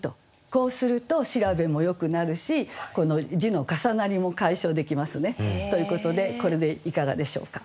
こうすると調べもよくなるしこの字の重なりも解消できますね。ということでこれでいかがでしょうか？